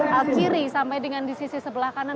dari kiri sampai di sisi sebelah kanan